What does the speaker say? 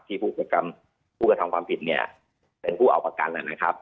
ผู้กระทำความผิดเนี่ยเป็นผู้เอาประกันนะครับ